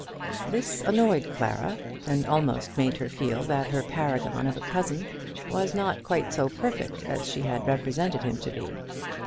This annoyed Clara, and almost made her feel that her paragon of a cousin was not quite so perfect as she had represented him to be.